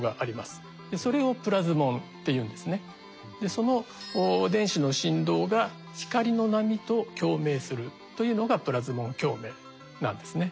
その電子の振動が光の波と共鳴するというのがプラズモン共鳴なんですね。